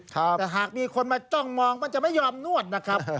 แต่หากมีคนมาจ้องมองมันจะไม่ยอมนวดนะครับ